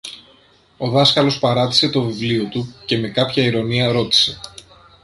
Ο δάσκαλος παράτησε το βιβλίο του και με κάποια ειρωνεία ρώτησε